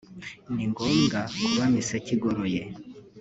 ni ngombwa kuba miseke igoroye